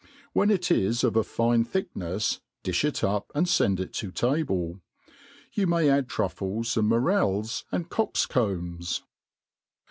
When it is of a fine thicknefs difh it up, and fend it to table. You may add truffles and morels, and cock*s combs.